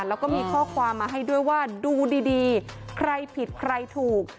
แล้วก็มีข้อความมาให้ด้วยว่าดูดีใครผิดใครถูก